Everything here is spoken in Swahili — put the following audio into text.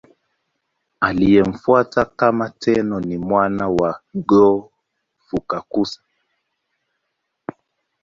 Aliyemfuata kama Tenno ni mwana wake Go-Fukakusa.